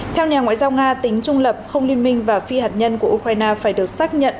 theo nhà ngoại giao nga tính trung lập không liên minh và phi hạt nhân của ukraine phải được xác nhận